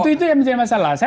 itu yang menjadi masalah